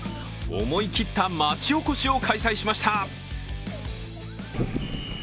思い切った町おこしを開催しました。